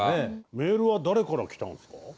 メールは誰から来たんですか？